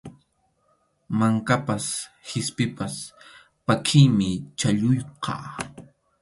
Mankapas qispipas pʼakiymi chhalluyqa.